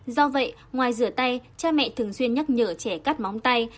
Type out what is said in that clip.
do vậy ngoài rửa tay cha mẹ thường xuyên nhắc nhở trẻ cắt móng tay